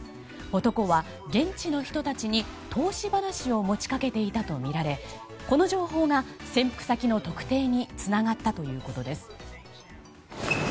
男は現地の人たちに投資話を持ち掛けていたとみられこの情報が潜伏先の特定につながったということです。